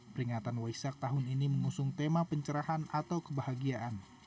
peringatan waisak tahun ini mengusung tema pencerahan atau kebahagiaan